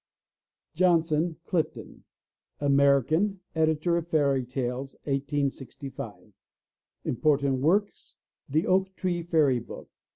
JOHNSON, CLIFTON (American, editor of fairy tales 1865 ) Important Works: The Oak Tree Fairy Book.